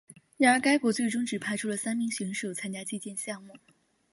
然而该国最终只派出三名选手参加击剑项目。